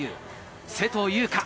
勢藤優花。